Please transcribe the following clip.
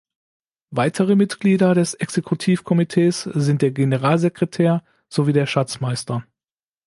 Weitere Mitglieder des Exekutivkomitees sind der Generalsekretär sowie der Schatzmeister.